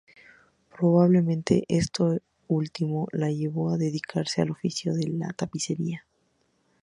Probablemente, esto último la llevó a dedicarse al oficio de la tapicería.